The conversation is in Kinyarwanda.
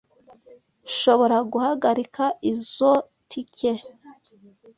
Nshobora guhagarika izoi tike?